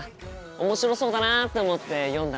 面白そうだなって思って読んだ